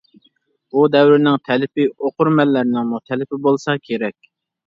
بۇ دەۋرنىڭ تەلىپى، ئوقۇرمەنلەرنىڭمۇ تەلىپى بولسا كېرەك.